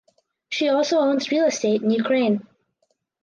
She also owns real estate in Ukraine.